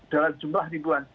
dalam jumlah ribuan